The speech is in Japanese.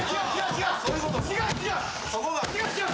違う違う！